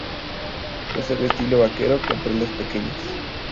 Usa el estilo vaquero, con prendas pequeñas.